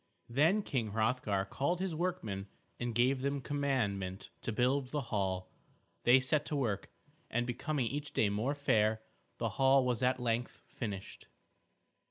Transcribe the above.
Then King Hrothgar called his workmen and gave them commandment to build the hall. They set to work, and becoming each day more fair, the hall was at length finished.